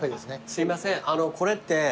すいませんこれって。